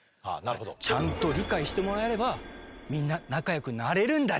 ちゃんと理解してもらえればみんな仲よくなれるんだＧ。